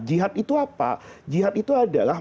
jihad itu apa jihad itu adalah